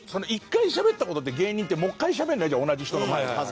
１回しゃべった事って芸人ってもう１回しゃべらないじゃん同じ人の前では。